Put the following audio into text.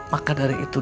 maka dari itu